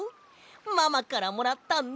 ママからもらったんだ！